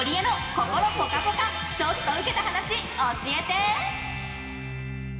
心ぽかぽかちょっとウケた話教えて！